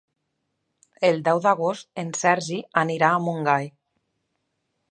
El deu d'agost en Sergi anirà a Montgai.